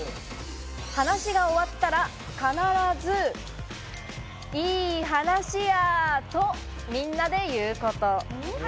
話が終わったら必ず「良い話や」と、みんなで言うこと。